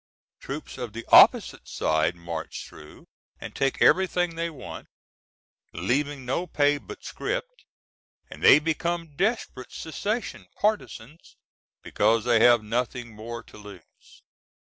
Troops of the opposite side march through and take everything they want, leaving no pay but scrip, and they become desperate secession partisans because they have nothing more to lose.